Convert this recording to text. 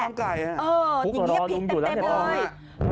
อย่างนี้ปีกเต็มเลย